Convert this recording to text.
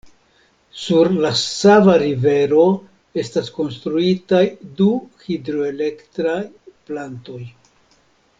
Sur la Sava Rivero estas konstruitaj du hidroelektra plantoj.